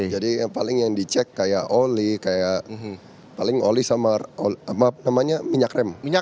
jadi yang paling yang dicek kayak oli kayak paling oli sama namanya minyak rem